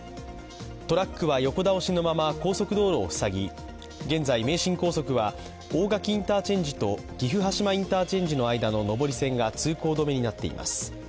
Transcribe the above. トラックは横倒しのまま高速道路を塞ぎ、現在名神高速は大垣インターチェンジと岐阜羽島インターチェンジの間の上り線が通行止めになっています。